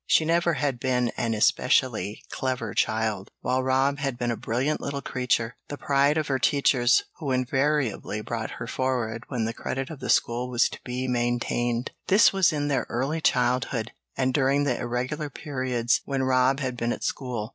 She never had been an especially clever child, while Rob had been a brilliant little creature, the pride of her teachers, who invariably brought her forward when the credit of the school was to be maintained this was in their early childhood, and during the irregular periods when Rob had been at school.